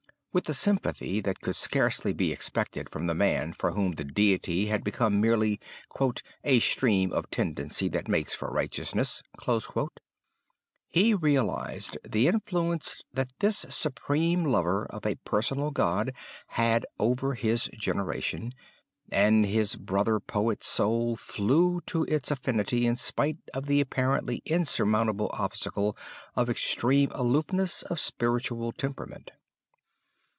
With a sympathy that could scarcely be expected from the man for whom the Deity had become merely "a stream of tendency that makes for righteousness," he realized the influence that this supreme lover of a personal God had over his generation, and his brother poet soul flew to its affinity in spite of the apparently insurmountable obstacle of' extreme aloofness of spiritual temperament.